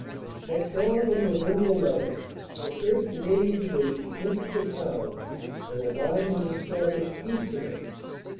At dawn on Nov. 1 1 the 3rd. Canadian Division entered the town and a line was established east of it.